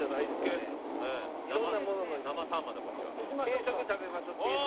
定食食べましょう定食。